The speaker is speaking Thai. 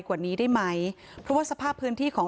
กว่านี้ได้ไหมเพราะว่าสภาพพื้นที่ของ